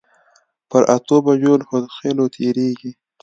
پر اتو بجو له هودخېلو تېرېږي.